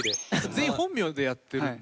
全員本名でやってるんで。